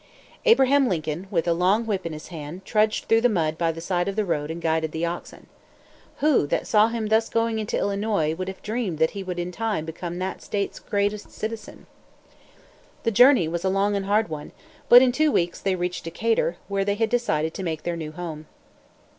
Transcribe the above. Abraham Lincoln, with a long whip in his hand, trudged through the mud by the side of the road and guided the oxen. Who that saw him thus going into Illinois would have dreamed that he would in time become that state's greatest citizen? The journey was a long and hard one; but in two weeks they reached Decatur, where they had decided to make their new home.